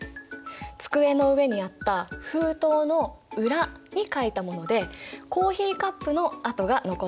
机の上にあった封筒の裏に書いたものでコーヒーカップの跡が残っているらしいんだ。